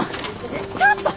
ちょっと！